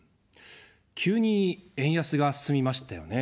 急に円安が進みましたよね。